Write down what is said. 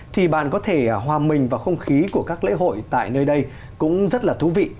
thì bạn có thể hòa mình vào không khí của các lễ hội tại nơi đây cũng rất là thú vị